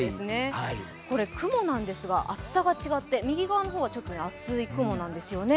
雲なんですが、厚さが違って右側の雲は厚い雲なんですね。